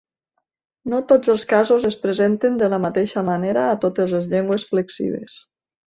No tots els casos es presenten de la mateixa manera a totes les llengües flexives.